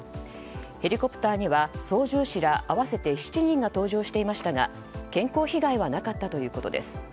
ヘリコプターには操縦士ら合わせて７人が搭乗していましたが健康被害はなかったということです。